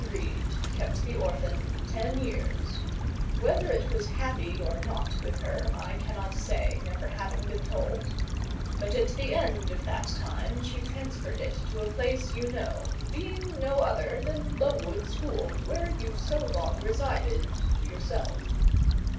Reed kept the orphan ten years: whether it was happy or not with her, I cannot say, never having been told; but at the end of that time she transferred it to a place you know—being no other than Lowood School, where you so long resided yourself.